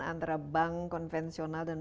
antara bank konvensional dan